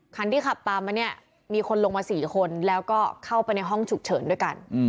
คันที่ขับตามมาเนี่ยมีคนลงมา๔คนแล้วก็เข้าไปในห้องฉุกเฉินด้วยกัน